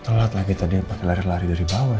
setelah lagi tadi pake lari lari dari bawah